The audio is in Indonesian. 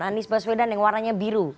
anies baswedan yang warnanya biru